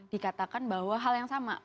dikatakan bahwa hal yang sama